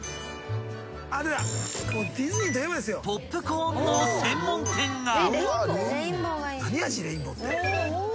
［ポップコーンの専門店が］